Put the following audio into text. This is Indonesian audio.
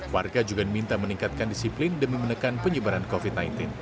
warga juga diminta meningkatkan disiplin demi menekan penyebaran covid sembilan belas